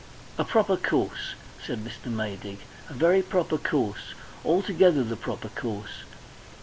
"A proper course," said Mr. Maydig, "a very proper course altogether the proper course."